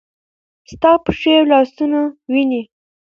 ستا پښې او لاسونه وینې ؟